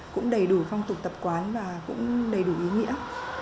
cũng đầy đủ phong tục tập quán và cũng đầy đủ ý nghĩa